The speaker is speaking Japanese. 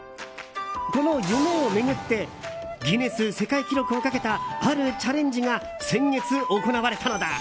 この夢を巡ってギネス世界記録をかけたあるチャレンジが先月、行われたのだ。